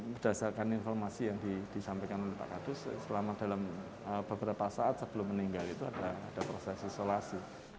berdasarkan informasi yang disampaikan oleh pak kadus selama dalam beberapa saat sebelum meninggal itu ada proses isolasi